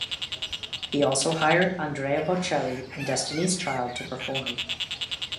He also hired Andrea Bocelli and Destiny's Child to perform.